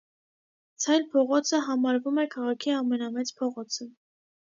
Ցայլ փողոցը համարվում է քաղաքի ամենամեծ փողոցը։